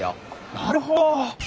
なるほど！